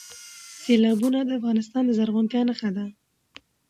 سیلابونه د افغانستان د زرغونتیا نښه ده.